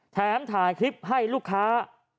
แถมถ่ายคลิปให้ลูกค้า